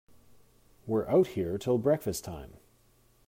We're out here till breakfast-time.